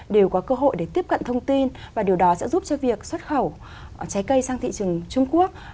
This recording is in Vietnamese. đều có cơ hội để tiếp cận thông tin và điều đó sẽ giúp cho việc xuất khẩu trái cây sang thị trường trung quốc